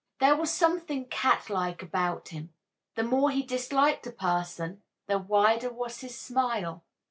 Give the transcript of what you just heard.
There was something cat like about him; the more he disliked a person the wider was his smile.